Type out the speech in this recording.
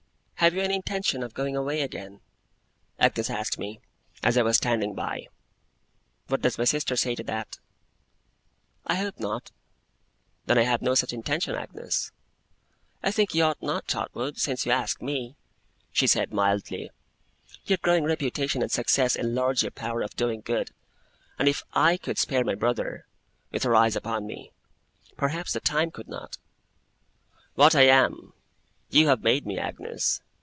'Have you any intention of going away again?' Agnes asked me, as I was standing by. 'What does my sister say to that?' 'I hope not.' 'Then I have no such intention, Agnes.' 'I think you ought not, Trotwood, since you ask me,' she said, mildly. 'Your growing reputation and success enlarge your power of doing good; and if I could spare my brother,' with her eyes upon me, 'perhaps the time could not.' 'What I am, you have made me, Agnes.